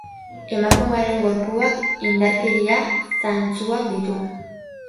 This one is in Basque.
Emakumearen gorpuak indarkeria zantzuak ditu.